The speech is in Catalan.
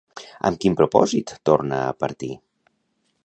Amb quin propòsit torna a partir?